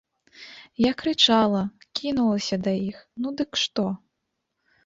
Я крычала, кінулася да іх, ну дык што?